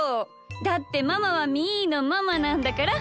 だってママはみーのママなんだから。